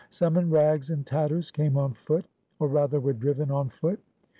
Some in rags and tatters came on foot, or rather were driven on foot.